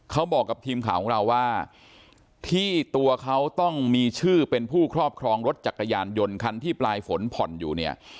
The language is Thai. เขาบอกกับทีมข่าวของเราว่าที่ตัวเขาต้องมีชื่อเป็นผู้ครอบครองรถจักรยานยนต์คันที่ปลายฝนผ่อนอยู่เนี่ย